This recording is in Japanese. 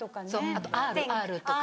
あとＲとか。